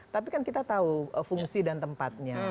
tapi kan kita tahu fungsi dan tempatnya